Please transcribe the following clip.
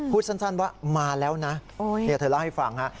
พูดสั้นว่ามาแล้วนะเธอเล่าให้ฟังฮะ